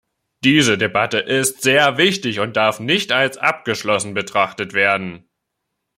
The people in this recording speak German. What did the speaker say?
Diese Debatte ist sehr wichtig und darf nicht als abgeschlossen betrachtet werden.